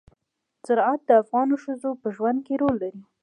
زراعت د افغان ښځو په ژوند کې رول لري.